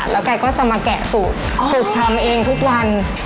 แล้วแกก็จะมาแกะสูตรฝึกทำเองทุกวัน